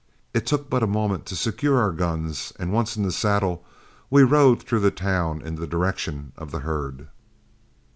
It took but a moment to secure our guns, and once in the saddle, we rode through the town in the direction of the herd.